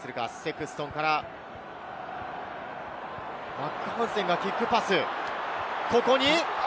マークハンセンのキックパス。